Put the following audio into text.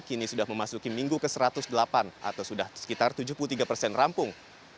kini sudah memasuki minggu ke satu ratus delapan atau sudah sekitar tujuh puluh tiga persen rampung